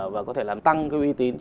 và có thể làm tăng cái uy tín